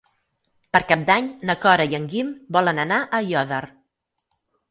Per Cap d'Any na Cora i en Guim volen anar a Aiòder.